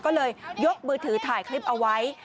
ก็เลยยกมือถือถ่ายคลิปเอาไว้